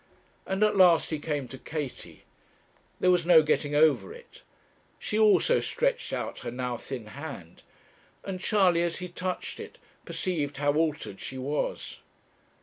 And at last he came to Katie. There was no getting over it. She also stretched out her now thin hand, and Charley, as he touched it, perceived how altered she was.